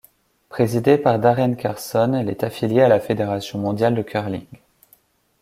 Présidée par Darren Carson, elle est affiliée à la Fédération mondiale de curling.